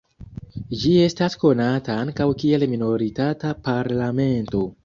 Ĝi estas konata ankaŭ kiel minoritata parlamento.